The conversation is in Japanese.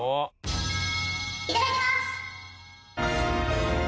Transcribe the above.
いただきます。